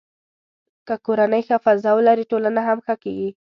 که کورنۍ ښه فضا ولري، ټولنه هم ښه کېږي.